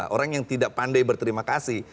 orang yang tidak pandai berterima kasih